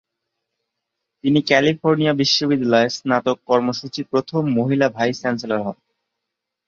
তিনি ক্যালিফোর্নিয়া বিশ্ববিদ্যালয়ের স্নাতক কর্মসূচির প্রথম মহিলা ভাইস চ্যান্সেলর হন।